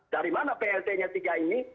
dari mana plt nya tiga ini